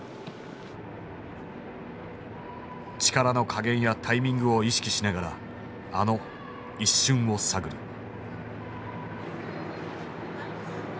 力の加減やタイミングを意識しながらあの一瞬を探る。